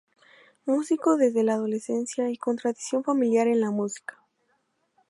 Músico desde la adolescencia y con tradición familiar en la música.